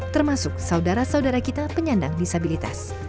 termasuk saudara saudara kita penyandang disabilitas